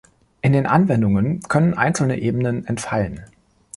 In den Anwendungen können einzelne Ebenen entfallen.